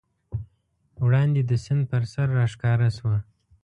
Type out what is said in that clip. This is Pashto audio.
وړاندې د سیند پر سر راښکاره شوه.